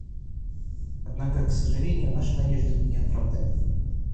Однако, к сожалению, наши надежды на оправдались.